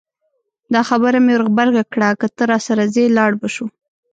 دا خبره مې ور غبرګه کړه که ته راسره ځې لاړ به شو.